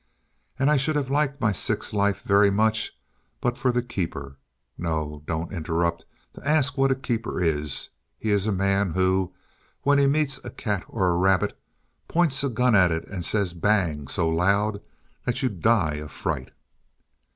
And I should have liked my sixth life very much, but for the keeper. No, don't interrupt to ask what a keeper is. He is a man who, when he meets a cat or a rabbit, points a gun at it, and says 'Bang!' so loud that you die of fright."